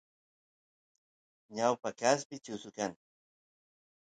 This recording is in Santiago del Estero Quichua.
ñawpa kaspi chusu kan